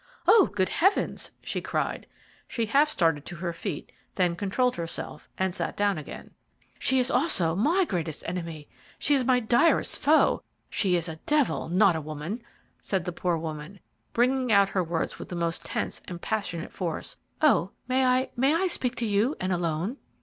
"Oh, good heavens!" she cried. She half started to her feet, then controlled herself and sat down again. "She is also my greatest enemy, she is my direst foe she is a devil, not a woman," said the poor lady, bringing out her words with the most tense and passionate force. "Oh, may I, may I speak to you and alone?"